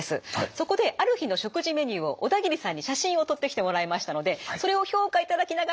そこである日の食事メニューを小田切さんに写真を撮ってきてもらいましたのでそれを評価いただきながら教えてもらいます。